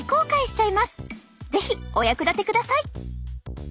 是非お役立てください！